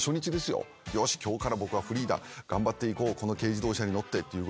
「よし今日から僕はフリーだ」「頑張っていこうこの軽自動車に乗って」